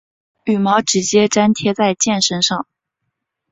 羽毛直接粘贴在箭身上。